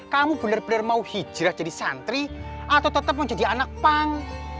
kamu benar benar mau hijrah jadi santri atau tetap mau jadi anak punk